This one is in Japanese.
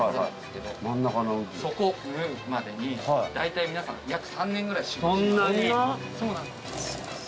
そこを縫うまでに大体皆さん約３年ぐらい修業してます。